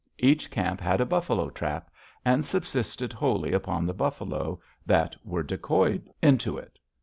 Each camp had a buffalo trap, and subsisted wholly upon the buffalo that were decoyed into it.